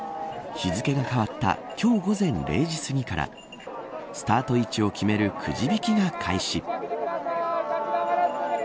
日付が変わった今日午前０時すぎからスタート位置を決めるくじ引きが開始。